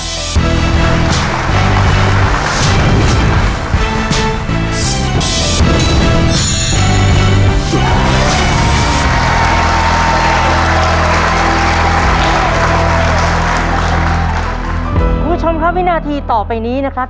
คุณผู้ชมครับวินาทีต่อไปนี้นะครับ